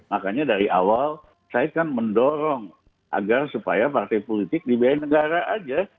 makanya dari awal saya kan mendorong agar supaya partai politik di biaya negara aja